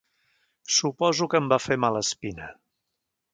Suposo que em va fer mala espina.